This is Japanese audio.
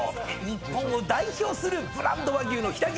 日本を代表するブランド和牛の飛騨牛